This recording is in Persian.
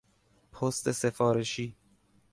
پست سفارشی